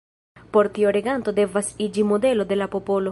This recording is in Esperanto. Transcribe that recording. Por tio reganto devas iĝi modelo de popolo.